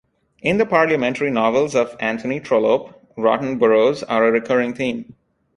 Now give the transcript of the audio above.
In the parliamentary novels of Anthony Trollope rotten boroughs are a recurring theme.